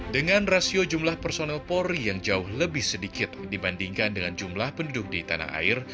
dengan rasio jumlah personel polri yang jauh lebih sedikit dibandingkan dengan jumlah penduduk di tanah air